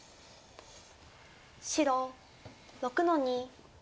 白６の二。